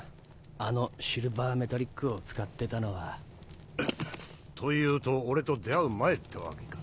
あのシルバーメタリックを使ってたのは。というと俺と出会う前ってわけか。